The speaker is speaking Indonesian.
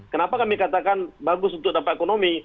kenapa kami katakan bagus untuk dampak ekonomi